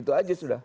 itu aja sudah